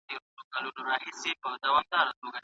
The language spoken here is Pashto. د تاریخ رښتینې پاڼې باید بېرته راوسپړل سي.